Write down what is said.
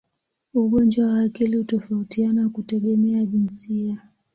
Ugonjwa wa akili hutofautiana kutegemea jinsia.